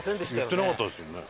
言ってなかったですよね。